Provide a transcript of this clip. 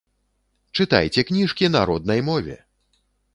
Чытайце кніжкі на роднай мове!